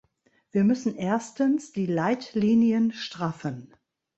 Wir müssen erstens die Leitlinien straffen.